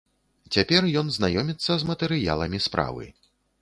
Цяпер ён знаёміцца з матэрыяламі справы.